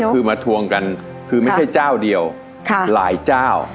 คือมาทวงกันคือไม่ใช่เจ้าเดียวหลายเจ้า